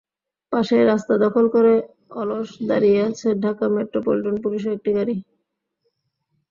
পাশেই রাস্তা দখল করে অলস দাঁড়িয়ে আছে ঢাকা মেট্রোপলিটন পুলিশের একটি গাড়ি।